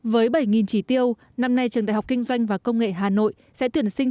với bảy chỉ tiêu năm nay trường đại học kinh doanh và công nghệ hà nội sẽ tuyển sinh